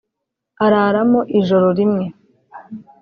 araramo ijoro rimwe